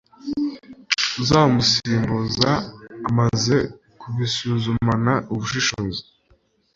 uzamusimbuza amaze kubisuzumana ubushishozi